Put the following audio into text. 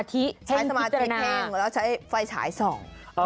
เท่งแล้วใช้ไฟฉายสอง